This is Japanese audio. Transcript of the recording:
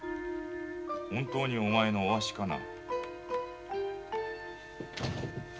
本当にお前の御足かな。